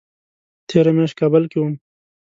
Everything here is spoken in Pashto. تېره میاشت کابل کې وم